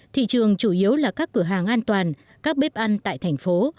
thị trường chủ yếu là các cửa hàng an toàn các bếp ăn tại thành phố